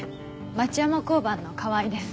町山交番の川合です。